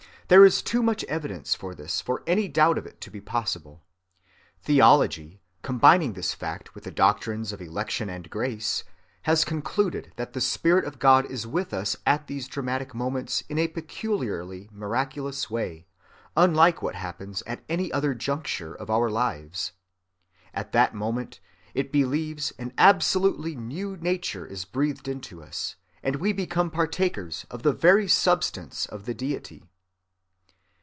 There is too much evidence of this for any doubt of it to be possible. Theology, combining this fact with the doctrines of election and grace, has concluded that the spirit of God is with us at these dramatic moments in a peculiarly miraculous way, unlike what happens at any other juncture of our lives. At that moment, it believes, an absolutely new nature is breathed into us, and we become partakers of the very substance of the Deity.